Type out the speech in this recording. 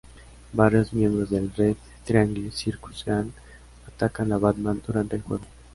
Varios miembros del Red Triangle Circus Gang atacan a Batman durante el juego.